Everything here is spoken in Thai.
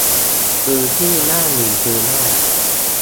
- พื้นที่หน้าหนึ่งซื้อได้